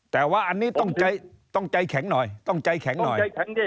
แต่ว่าอันนี้ต้องใจแข็งหน่อยต้องใจแข็งหน่อย